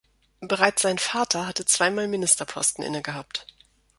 Bereits sein Vater hatte zweimal Ministerposten innegehabt.